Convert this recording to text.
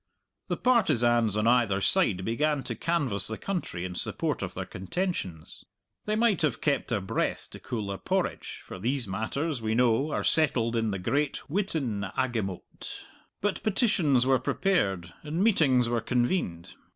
The partisans on either side began to canvass the country in support of their contentions. They might have kept their breath to cool their porridge, for these matters, we know, are settled in the great Witenagemot. But petitions were prepared and meetings were convened.